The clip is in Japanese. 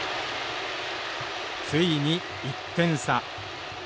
ついに１点差。